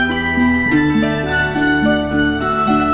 kamu punya mertua satu aja udah pusing